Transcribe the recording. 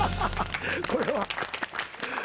これは。